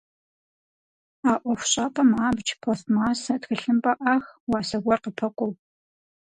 А ӏуэхущӏапӏэм абдж, пластмассэ, тхылъымпӏэ ӏах, уасэ гуэр къыпэкӏуэу.